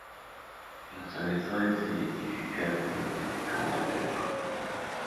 Los agresores se identificaban mayormente como parte de la comunidad